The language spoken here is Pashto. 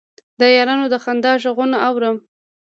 د یارانو د خندا غـږونه اورم